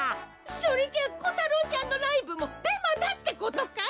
それじゃコタロウちゃんのライブもデマだってことかい？